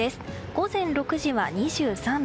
午前６時は２３度。